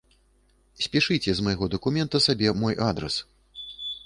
Спішыце з майго дакумента сабе мой адрас.